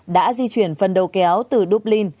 đã di chuyển phần đầu kéo từ dublin